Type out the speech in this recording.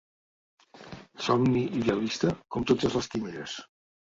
Somni idealista com totes les quimeres.